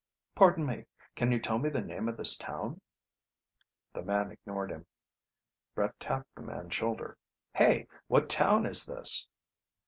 "Pardon me. Can you tell me the name of this town?" The man ignored him. Brett tapped the man's shoulder. "Hey! What town is this?"